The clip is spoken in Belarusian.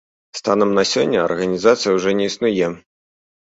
Станам на сёння арганізацыя ўжо не існуе.